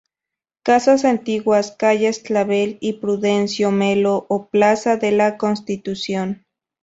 Casas antiguas, calles Clavel y Prudencio Melo o plaza de la Constitución.